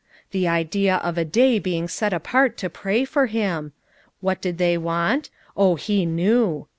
The idea of a day being set apart to pray for him! What did they want? Oh, he knew!